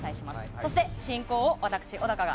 そして進行を私、小高が